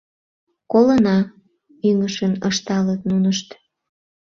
— Колына, — ӱҥышын ышталыт нунышт.